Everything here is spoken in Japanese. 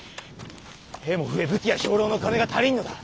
兵も増え武器や兵糧の金が足りぬのだ。